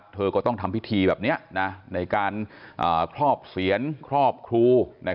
เธอก็ต้องทำพิธีแบบนี้ในการครอบเสียนครอบครู